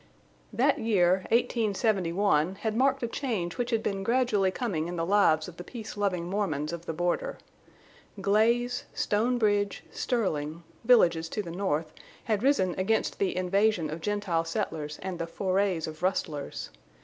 That year, 1871, had marked a change which had been gradually coming in the lives of the peace loving Mormons of the border. Glaze—Stone Bridge—Sterling, villages to the north, had risen against the invasion of Gentile settlers and the forays of rustlers.